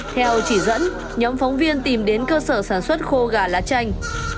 theo chỉ dẫn nhóm phóng viên tìm đến cơ sở sản xuất khô gà lá chanh